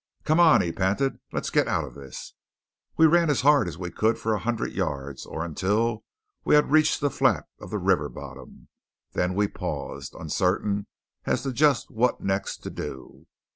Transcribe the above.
"Come on!" he panted. "Let's get out of this!" We ran as hard as we could go for a hundred yards, or until we had reached the flat of the river bottom. Then we paused, uncertain as to just what next to do.